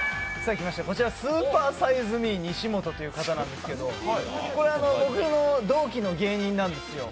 スーパーサイズ・ミー西本という方なんですけれども、僕の同期の芸人なんですよ。